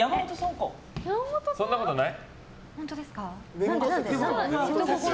そんなことない？